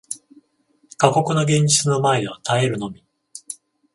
過酷な現実の前では耐えるのみ